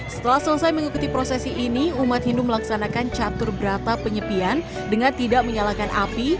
setelah selesai mengikuti prosesi ini umat hindu melaksanakan catur berata penyepian dengan tidak menyalakan api